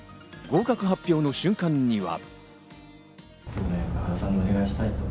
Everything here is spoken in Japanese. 合格発表の瞬間には。